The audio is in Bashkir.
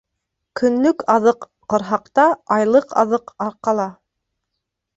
Көнлөк аҙыҡ ҡорһаҡта, айлыҡ аҙыҡ арҡала.